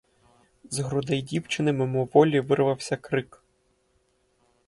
З грудей дівчини мимоволі вирвався крик.